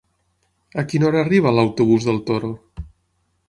A quina hora arriba l'autobús del Toro?